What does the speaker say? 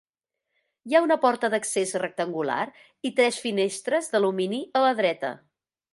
Hi ha una porta d’accés rectangular i tres finestres d’alumini a la dreta.